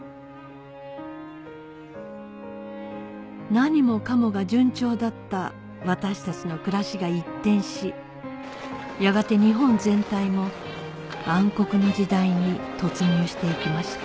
何もかもが順調だった私たちの暮らしが一転しやがて日本全体も暗黒の時代に突入していきました